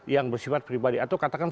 yang bersifat pribadi atau katakan